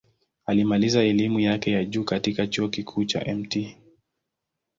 Alimaliza elimu yake ya juu katika Chuo Kikuu cha Mt.